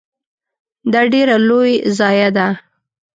دا ډیره لوی ضایعه ده .